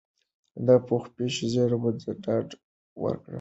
پخوسپین ږیرو ډاډ ورکاوه.